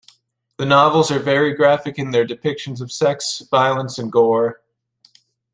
The novels are very graphic in their depictions of sex, violence and gore.